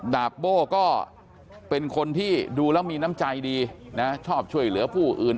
ดาบโบ้ก็เป็นคนที่ดูแล้วมีน้ำใจดีนะชอบช่วยเหลือผู้อื่น